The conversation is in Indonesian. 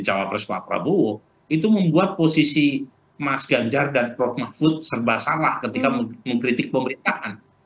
cawapres pak prabowo itu membuat posisi mas ganjar dan prof mahfud serba salah ketika mengkritik pemerintahan